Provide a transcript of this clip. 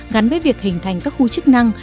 gắn với việc hình thành các khu chức năng